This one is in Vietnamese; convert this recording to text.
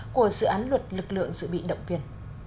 của dự án luật lực lượng dự bị động viên